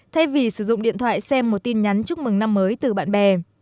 thay vì sử dụng điện thoại xem một tin nhắn chúc mừng năm mới từ bạn bè